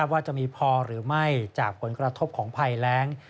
ว่าจะมีพอหรือไม่จากผลกระทบของภัยแรง